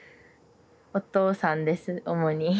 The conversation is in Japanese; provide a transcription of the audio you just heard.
お父さんです主に。